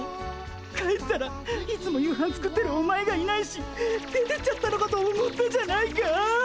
帰ったらいつも夕飯作ってるお前がいないし出てっちゃったのかと思ったじゃないか！